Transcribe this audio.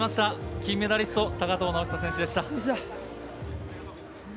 金メダリスト高藤直寿選手でした。